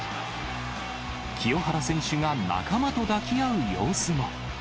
清原選手が仲間と抱き合う様子も。